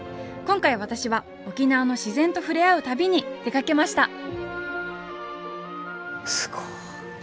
今回私は沖縄の自然と触れ合う旅に出かけました！